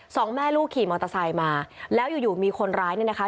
สองแม่ลูกขี่มอเตอร์ไซค์มาแล้วอยู่อยู่มีคนร้ายเนี่ยนะคะ